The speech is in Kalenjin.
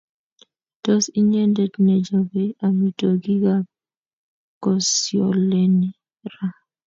Tos inyendet nechopei amitwokikab kosgoleny ra?